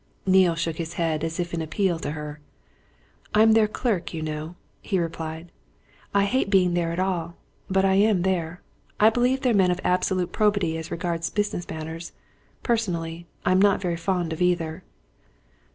Neale shook his head as if in appeal to her. "I'm their clerk, you know," he replied. "I hate being there at all, but I am there. I believe they're men of absolute probity as regards business matters personally, I'm not very fond of either."